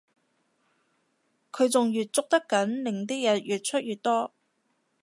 佢仲越捉得緊令啲人越出越多